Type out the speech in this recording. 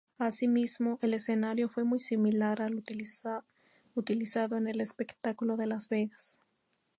Asimismo, el escenario fue muy similar al utilizado en el espectáculo de Las Vegas.